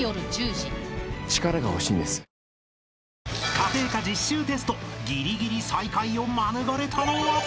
［家庭科実習テストギリギリ最下位を免れたのは］